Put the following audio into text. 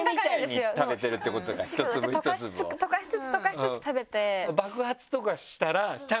シュクって溶かしつつ溶かしつつ食べて。